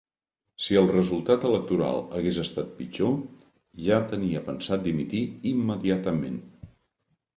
Si el resultat electoral hagués estat pitjor, ja tenia pensat dimitir immediatament.